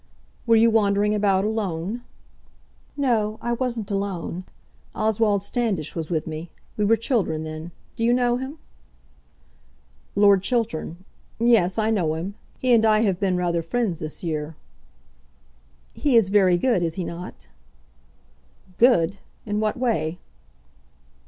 "Were you wandering about alone?" "No, I wasn't alone. Oswald Standish was with me. We were children then. Do you know him?" "Lord Chiltern; yes, I know him. He and I have been rather friends this year." "He is very good; is he not?" "Good, in what way?"